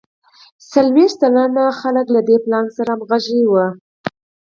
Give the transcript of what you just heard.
څلوېښت سلنه وګړي له دې پلان سره همغږي وو.